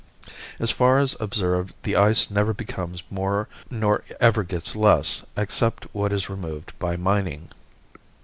As far as observed the ice never becomes more nor ever gets less, except what is removed by mining.